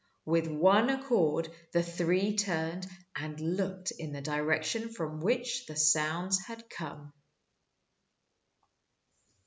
With one accord the three turned and looked in the direction from which the sounds had come.